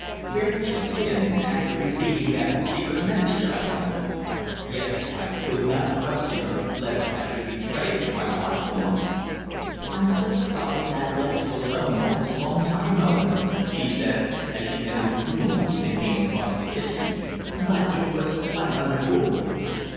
Where had she been after receiving that secret message, I wondered? Yet I could not question her, lest I should betray my watchfulness. "I'm so sorry to have left you alone all this long time, Owen," she said, as she entered the room and came across to kiss me. "But it was quite unavoidable."